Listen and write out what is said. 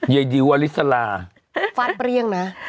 เยดิวอลิซาลา